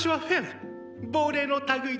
亡霊の類いです。